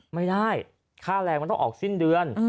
ไม่ได้ค่าแรงมันต้องออกสิ้นเดือน